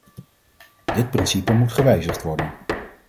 Dit principe moet gewijzigd worden.